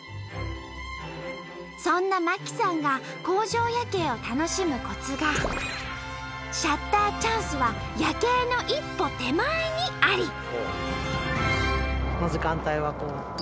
そんな真希さんが工場夜景を楽しむコツがシャッターチャンスは夜景の一歩手前にあり！